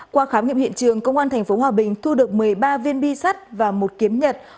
qua khám nghiệm hiện trường công an tp hòa bình thu được một mươi ba viên bi sắt và một kiếm nhật